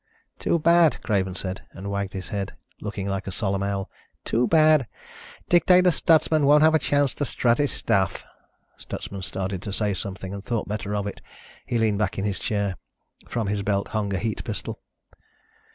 "Too bad," Craven said, and wagged his head, looking like a solemn owl. "Too bad. Dictator Stutsman won't have a chance to strut his stuff." Stutsman started to say something and thought better of it. He leaned back in his chair. From his belt hung a heat pistol.